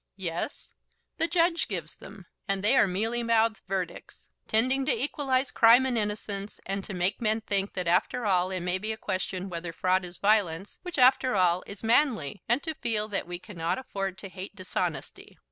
"Yes; the judges give them. And they are mealy mouthed verdicts, tending to equalise crime and innocence, and to make men think that after all it may be a question whether fraud is violence, which, after all, is manly, and to feel that we cannot afford to hate dishonesty.